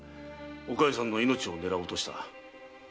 お加代さんの命を狙おうとした。